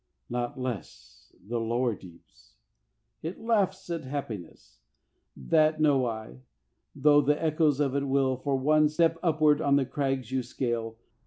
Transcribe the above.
Not less The lower deeps. It laughs at Happiness! That know I, though the echoes of it wail, For one step upward on the crags you scale.